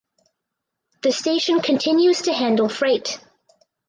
The station continues to handle freight.